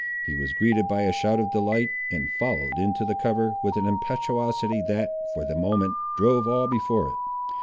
He was greeted by a shout of delight, and followed into the cover, with an impetuosity that, for the moment, drove all before it.